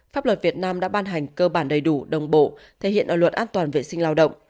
pháp luật việt nam đã ban hành cơ bản đầy đủ đồng bộ thể hiện ở luật an toàn vệ sinh lao động